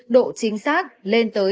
độ chính xác lên tới bảy mươi tám mươi